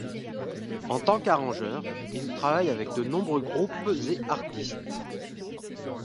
En tant qu’arrangeur, il travaille avec de nombreux groupes et artistes.